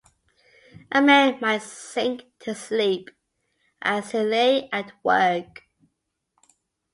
A man might sink to sleep as he lay at work.